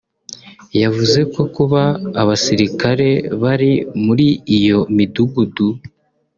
yavuze ko kuba abasilikare bari muri iyo midugudu